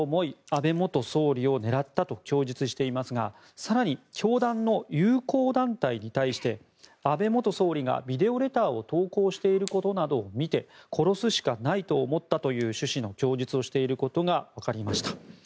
安倍元総理を狙ったと供述していますが更に教団の友好団体に対して安倍元総理がビデオレターを投稿していることなどを見て殺すしかないと思ったという趣旨の供述をしていることがわかりました。